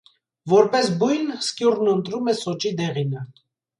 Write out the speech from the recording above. Որպես բույն սկյուռն ընտրում է սոճի դեղինը։